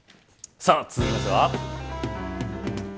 さあ、続きましては。